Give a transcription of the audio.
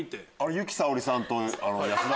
由紀さおりさんと安田。